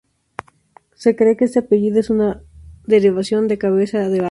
Se cree que este apellido es una derivación de Cabeza de baca.